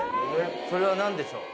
それは何でしょう？